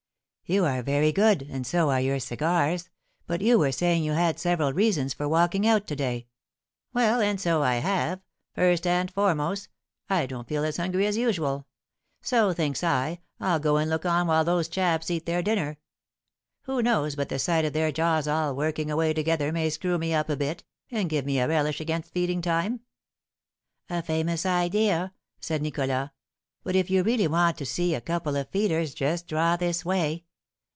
"You are very good, and so are your cigars. But you were saying you had several reasons for walking out to day?" "Well, and so I have. First and foremost, I don't feel as hungry as usual; so, thinks I, I'll go and look on while those chaps eat their dinner. Who knows but the sight of their jaws all working away together may screw me up a bit, and give me a relish against feeding time?" "A famous idea!" said Nicholas. "But if you really do want to see a couple of feeders, just draw this way.